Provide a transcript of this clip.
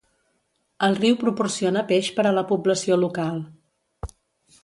El riu proporciona peix per a la població local.